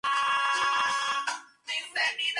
La conferencia se llamó "Política: ¿siguiente paso?